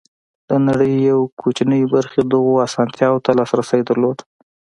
د نړۍ یوې کوچنۍ برخې دغو اسانتیاوو ته لاسرسی درلود.